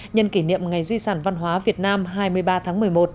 nhân kỷ niệm ngày di sản văn hóa việt nam hai mươi ba tháng một mươi một